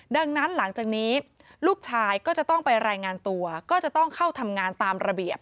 ดังนั้นหลังจากนี้ลูกชายก็จะต้องไปรายงานตัวก็จะต้องเข้าทำงานตามระเบียบ